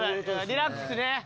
リラックスね。